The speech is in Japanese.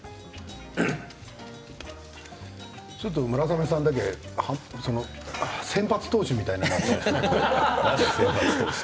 ちょっと村雨さんだけ先発投手みたいな感じ。